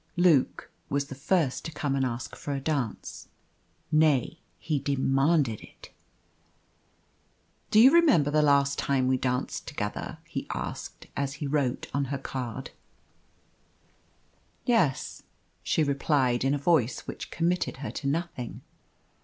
Luke was the first to come and ask for a dance nay, he demanded it. "Do you remember the last time we danced together?" he asked, as he wrote on her card. "Yes," she replied, in a voice which committed her to nothing.